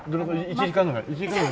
１時間ぐらい？